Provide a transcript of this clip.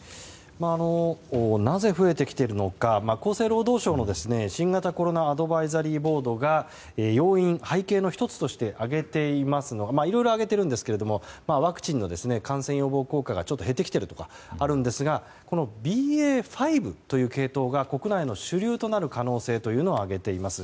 なぜ増えてきているのか厚生労働省の新型コロナアドバイザリーボードが要因、背景の１つとして挙げていますのがいろいろ挙げていますがワクチンの感染予防効果がちょっと減ってきているとかあるんですがＢＡ．５という系統が国内の主流となる可能性というのを挙げています。